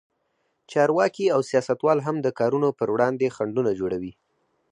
چارواکي او سیاستوال هم د کارونو پر وړاندې خنډونه جوړوي.